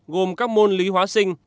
gồm các môn lý hóa sinh